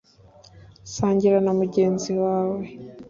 sangira na mugenzi wawe